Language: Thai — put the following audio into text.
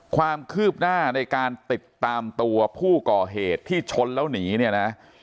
ความคืบหน้าในการติดตามตัวผู้ก่อเหตุที่ชนแล้วหนีเนี่ยนะ